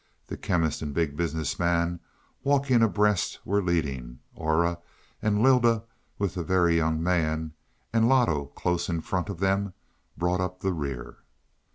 The Chemist and Big Business Man, walking abreast, were leading; Aura and Lylda with the Very Young man, and Loto close in front of them, brought up the rear.